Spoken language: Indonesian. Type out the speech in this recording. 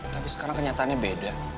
tapi sekarang kenyataannya beda